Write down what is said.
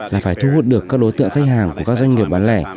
là phải thu hút được các đối tượng khách hàng của các doanh nghiệp bán lẻ